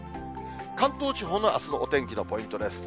関東地方のあすのお天気のポイントです。